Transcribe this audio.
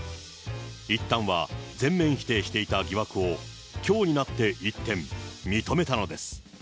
いったんは全面否定していた疑惑を、きょうになって一転、認めたのです。